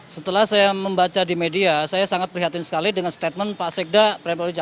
setelah saya membaca di media saya sangat prihatin sekali dengan statement pak sekda wijaya